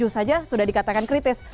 dua ribu tujuh saja sudah dikatakan kritis